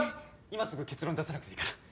今すぐ結論出さなくていいから。